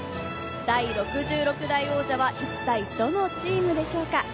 第６６回代王者は一体どのチームでしょうか。